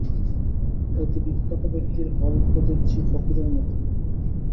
অতি বিখ্যাত ব্যক্তির হল তো দেখছি ফকিরের মতো!